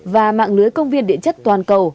và mạng lưới công viên địa chất toàn cầu